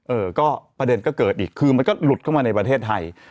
เออก็ประเด็นก็เกิดอีกคือมันก็หลุดเข้ามาในประเทศไทย